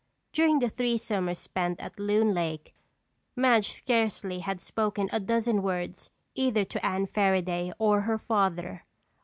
During the three summers spent at Loon Lake, Madge scarcely had spoken a dozen words either to Anne Fairaday or her father.